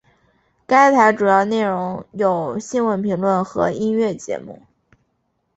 该台主要内容有新闻评论和音乐节目。